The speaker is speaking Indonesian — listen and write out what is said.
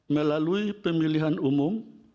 melalui pemilihan umum